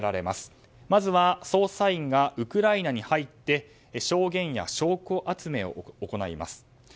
まずは捜査員がウクライナに入り証言や証拠集めを行います。